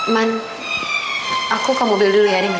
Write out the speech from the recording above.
man aku ke mobil dulu ya dia gak tinggal